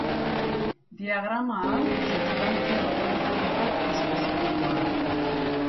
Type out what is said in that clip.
Diagrama hau substantzia bakoitzarentzat espezifikoa da.